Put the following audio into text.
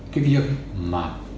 cái việc mà